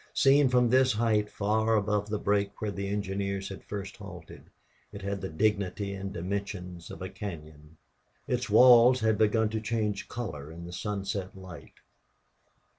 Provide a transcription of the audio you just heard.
Seen from this height, far above the break where the engineers had first halted, it had the dignity and dimensions of a cañon. Its walls had begun to change color in the sunset light.